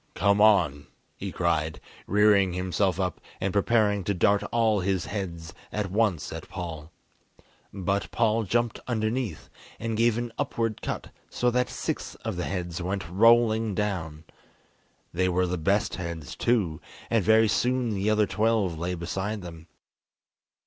"Come on," he cried, rearing himself up and preparing to dart all his heads at once at Paul. But Paul jumped underneath, and gave an upward cut so that six of the heads went rolling down. They were the best heads too, and very soon the other twelve lay beside them.